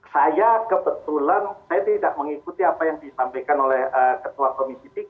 saya kebetulan saya tidak mengikuti apa yang disampaikan oleh ketua komisi tiga